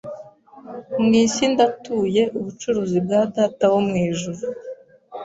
mwisi ndatuye Ubucuruzi bwa Data wo mwijuru